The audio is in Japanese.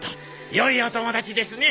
よいお友達ですね！